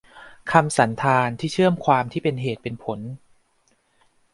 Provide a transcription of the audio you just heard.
คำสันธานที่เชื่อมความที่เป็นเหตุเป็นผล